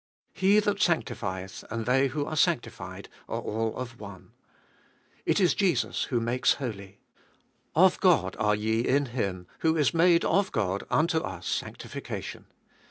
He that sanctifieth, and they who are sanctified, are all of one. It is Jesus who makes holy. Of God are ye in Him, who is made of God unto us sanctification.